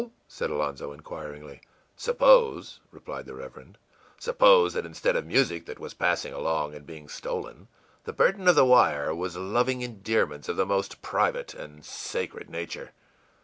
î said Alonzo, inquiringly. ìSuppose,î replied the Reverend, ìsuppose that, instead of music that was passing along and being stolen, the burden of the wire was loving endearments of the most private and sacred nature?